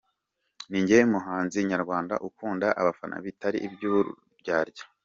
Ninjye muhanzi nyarwanda ukunda abafana bitari iby’uburyarya.